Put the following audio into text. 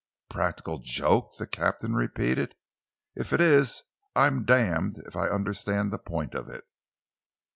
"A practical joke!" the captain repeated. "If it is I'm damned if I understand the point of it!"